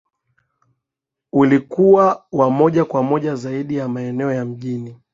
ulikuwa wa moja kwa moja zaidi maeneo ya mijini